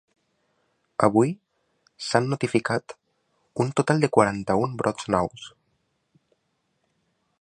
Avui s’han notificat un total de quaranta-un brots nous.